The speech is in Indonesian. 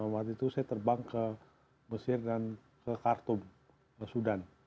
waktu itu saya terbang ke mesir dan ke khartom sudan